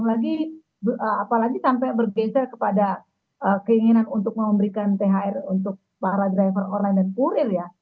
apalagi sampai bergeser kepada keinginan untuk memberikan thr untuk para driver online dan kurir ya